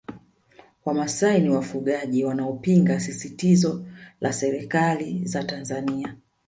Wamasai ni wafugaji wanaopinga sisitizo la serikali za Tanzania